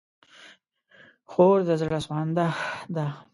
خور د زړه سوانده ده.